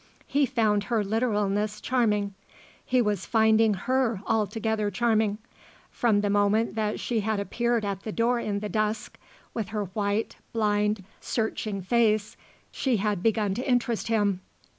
He found her literalness charming. He was finding her altogether charming. From the moment that she had appeared at the door in the dusk, with her white, blind, searching face, she had begun to interest him.